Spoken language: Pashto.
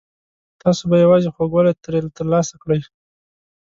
تاسو به یوازې خوږوالی ترې ترلاسه کړئ.